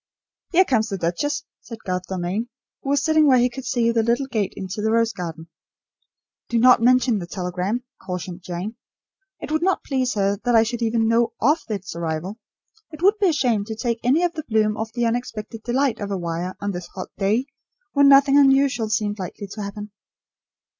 "Here comes the duchess," said Garth Dalmain, who was sitting where he could see the little gate into the rose garden. "Do not mention the telegram," cautioned Jane. "It would not please her that I should even know of its arrival. It would be a shame to take any of the bloom off the unexpected delight of a wire on this hot day, when nothing unusual seemed likely to happen."